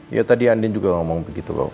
iya tadi andin juga ngomong begitu pa